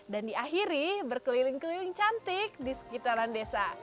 dan diakhiri berkeliling keliling cantik di sekitaran desa